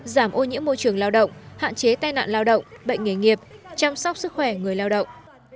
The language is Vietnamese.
giảm ô nhiễm môi trường lao động hạn chế tai nạn lao động bệnh nghề nghiệp chăm sóc sức khỏe người lao động